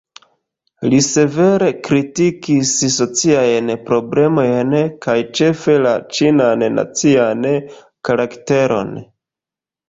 Li severe kritikis sociajn problemojn kaj ĉefe la "ĉinan nacian karakteron".